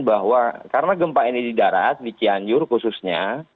bahwa karena gempa ini di darat di cianjur khususnya